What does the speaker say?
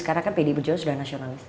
karena kan pdi perjuangan sudah nasionalis